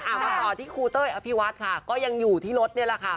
มาต่อที่ครูเต้ยอภิวัฒน์ค่ะก็ยังอยู่ที่รถนี่แหละค่ะ